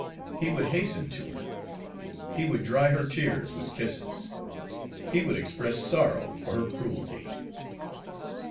He would hasten to her; he would dry her tears with kisses; he would express sorrow for his cruelty.